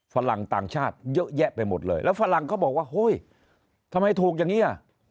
ฝรั่งต่างชาติเยอะแยะไปหมดเลยแล้วฝรั่งเขาบอกว่าเฮ้ยทำไมถูกอย่างนี้อ่ะ